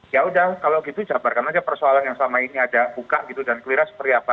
ya udah kalau gitu jabarkan aja persoalan yang selama ini ada buka gitu dan clear seperti apa